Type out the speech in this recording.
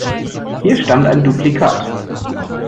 Hier stand ein Duplikat.